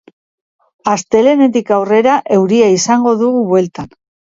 Astelehenetik aurrera, euria izango dugu bueltan.